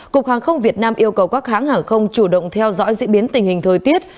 cục hàng không việt nam yêu cầu các hãng hàng không chủ động theo dõi diễn biến tình hình thời tiết